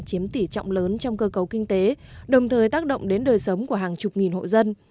chiếm tỷ trọng lớn trong cơ cấu kinh tế đồng thời tác động đến đời sống của hàng chục nghìn hộ dân